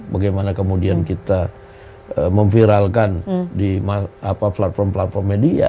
bagaimana kemudian kita memviralkan di platform platform media